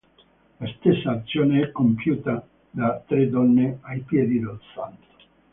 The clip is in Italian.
La stessa azione è compiuta da tre donne ai piedi del santo.